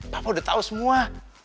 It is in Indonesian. papa udah tau semua